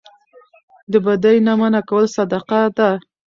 د بدۍ نه منع کول صدقه ده